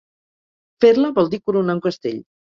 Fer-la vol dir coronar un castell.